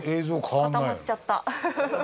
固まっちゃった。